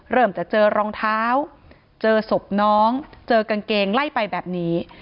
เริ่มจะเจอรองเท้าเจอศพน้องเจอกางเกงไล่ไปแบบนี้